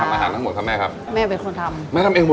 สวัสดีครับแม่เชิญครับ